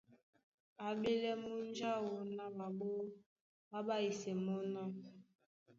A ɓélɛ́ múnja áō na ɓaɓɔ́ ɓá ɓáísɛ́ mɔ́ ná: